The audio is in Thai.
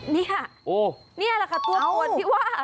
เนี่ยเนี่ยแหละค่ะตัวป่วนที่ว่า